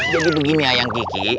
jadi begini ya ayang kiki